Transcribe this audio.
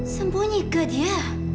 sembunyi ke dia